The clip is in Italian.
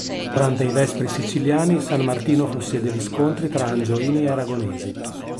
Durante i Vespri Siciliani San Martino fu sede di scontri tra Angioini e Aragonesi.